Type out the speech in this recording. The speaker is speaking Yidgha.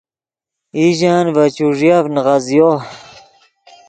ایژن ڤے چوݱیف نیغزیو